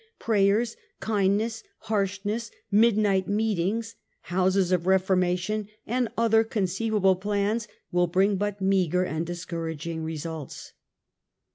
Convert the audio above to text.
prayers, kindness, harshness, midnight meetings, houses of reformation, and other conceivable plans will bring but meagre and discouraging results.